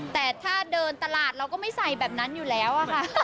แต่ถ้าเดินตลาดเราก็ไม่ใส่แบบนั้นอยู่แล้วค่ะ